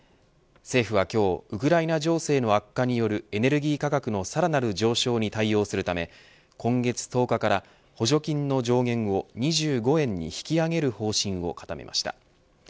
政府は今日ウクライナ情勢の悪化によるエネルギー価格のさらなる上昇に対応するため今月１０日から補助金の上限を２５円に引き上げる方針を固めました。